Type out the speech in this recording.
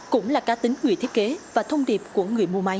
cũng là cá tính người thiết kế và thông điệp của người mua máy